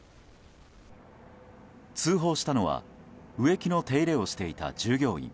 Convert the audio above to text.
通報したのは植木の手入れをしていた従業員。